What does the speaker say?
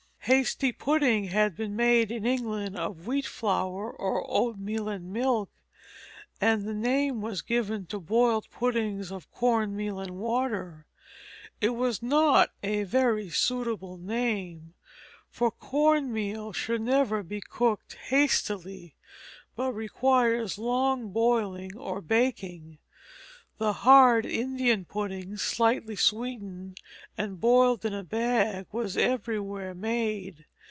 Hasty pudding had been made in England of wheat flour or oatmeal and milk, and the name was given to boiled puddings of corn meal and water. It was not a very suitable name, for corn meal should never be cooked hastily, but requires long boiling or baking. The hard Indian pudding slightly sweetened and boiled in a bag was everywhere made.